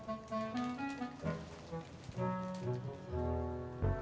karena mama udin di sini